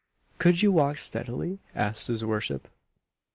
"Could you walk steadily?" asked his worship.